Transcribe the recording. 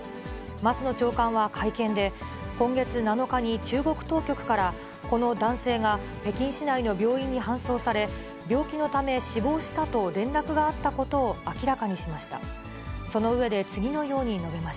松野長官は会見で、今月７日に、中国当局からこの男性が北京市内の病院に搬送され、病気のため死亡したと連絡があったことを明らかにしました。